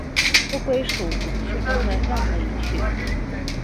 不归属五趣中的任何一趣。